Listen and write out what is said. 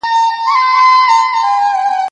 تر واده مخکي د نجلۍ نفقه پر پلار ده.